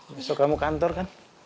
besok kamu kantor kan